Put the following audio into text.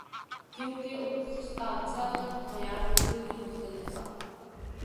کیونکہ اساتذہ کا معیار بالکل ہی مختلف تھا۔